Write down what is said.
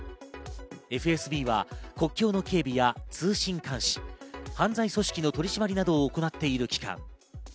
ＦＳＢは国境の警備や通信監視、犯罪組織の取り締まりなどを行っている機関。